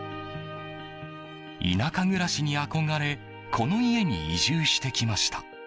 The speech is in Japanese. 田舎暮らしに憧れこの家に移住してきました。